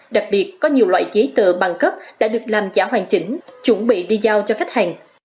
đặc biệt có nhiều loại giấy tờ bằng cấp đã được làm giả hoàn chỉnh chuẩn bị đi giao cho khách hàng